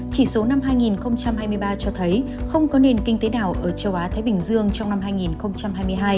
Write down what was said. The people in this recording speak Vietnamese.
chỉ số năm hai nghìn hai mươi ba cho thấy không có nền kinh tế nào ở châu á thái bình dương trong năm hai nghìn hai mươi hai